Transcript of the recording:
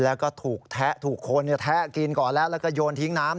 แล้วก็ถูกแทะถูกคนแทะกินก่อนแล้วแล้วก็โยนทิ้งน้ำ